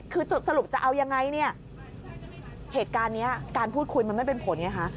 คือจุดสรุปจะเอายังไงเนี่ยเหตุการณ์นี้การพูดคุยมันไม่เป็นผลไงคะ